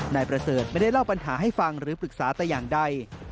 นายประเสริฐไม่ได้เล่าปัญหาให้ฟังหรือปรึกษาแต่อย่างใด